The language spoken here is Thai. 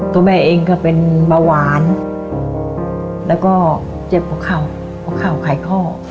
ตัวแม่เองก็เป็นมาหวานแล้วก็เจ็บขาวขาวขายข้อ